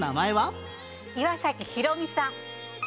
岩崎宏美さん。